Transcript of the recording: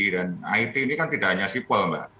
dan it ini kan tidak hanya sipol mbak